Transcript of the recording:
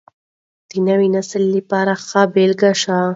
د نوي نسل لپاره ښه بېلګه شئ.